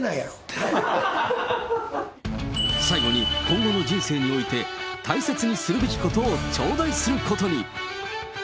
最後に、今後の人生において大切にするべきことを頂戴することに。